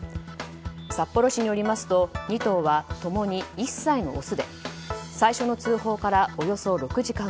札幌市によりますと２頭は共に１歳のオスで最初の通報からおよそ６時間